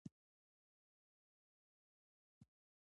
د موټر تېزه رڼا يې پر سترګو ولګېده.